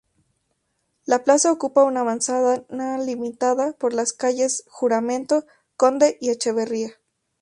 La plaza ocupa una manzana limitada por las calles Juramento, Conde y Echeverría.